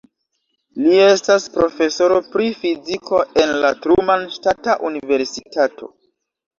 Li estas profesoro pri fiziko en la Truman Ŝtata Universitato.